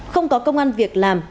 không có công an việc làm